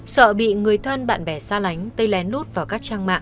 sợ bị người thân bạn bè xa lánh tay lén lút vào các trang mạng